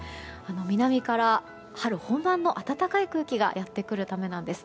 南から春本番の暖かい空気がやってくるためなんです。